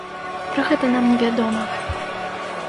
Пра гэта нам невядома.